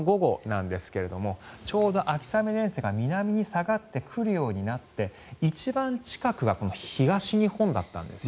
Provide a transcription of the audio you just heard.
これは昨日の午後なんですがちょうど秋雨前線が南に下がってくるようになって一番近くが東日本だったんです。